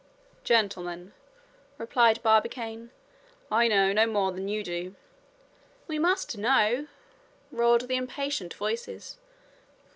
"Gentlemen," replied Barbicane, "I know no more than you do." "We must know," roared the impatient voices.